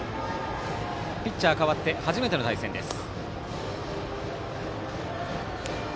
ピッチャー代わって初めての対戦です。